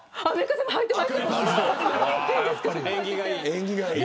縁起がいい。